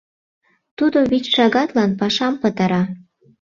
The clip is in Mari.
Тудо вич шагатлан пашам пытара.